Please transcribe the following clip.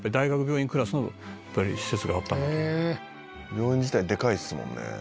「病院自体でかいですもんね」